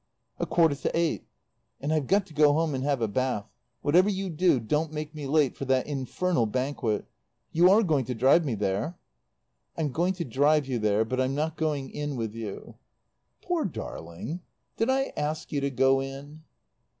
"A quarter to eight." "And I've got to go home and have a bath. Whatever you do, don't make me late for that infernal banquet. You are going to drive me there?" "I'm going to drive you there, but I'm not going in with you." "Poor darling! Did I ask you to go in?"